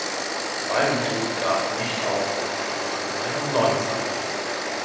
Wallenrodt gab nicht auf und begann eine neue Sammlung.